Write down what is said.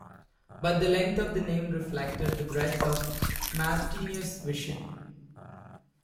But the length of the name reflected the breadth of Martineau's vision.